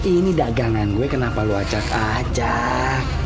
ini dagangan gue kenapa lu acak acak